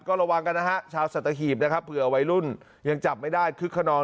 ก็ระวังกันนะฮะชาวสัตหีบนะครับเผื่อวัยรุ่นยังจับไม่ได้คึกขนอง